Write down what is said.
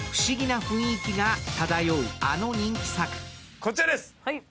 こちらです！